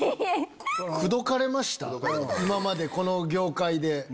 今までこの業界で。